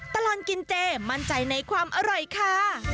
ตลอดกินเจมั่นใจในความอร่อยค่ะ